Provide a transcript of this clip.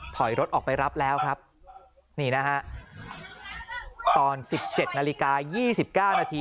ถอยรถออกไปรับแล้วครับนี่นะฮะตอน๑๗นาฬิกา๒๙นาที